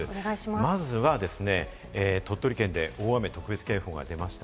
まず鳥取県で大雨特別警報が出ました。